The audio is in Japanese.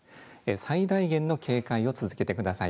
最大限の警戒を続けてください。